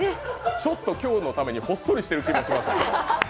ちょっと今日のためにほっそりしてる気もします。